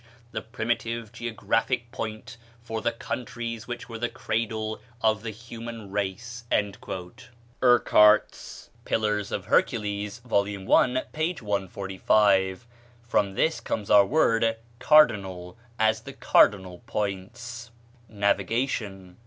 the primitive geographic point for the countries which were the cradle of the human race." (Urquhart's "Pillars of Hercules," vol. i., p. 145.) From this comes our word "cardinal," as the cardinal points. Navigation.